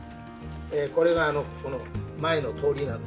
これがこの前の通りなんですけど。